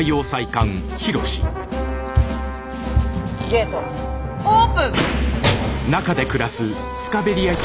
ゲートオープン。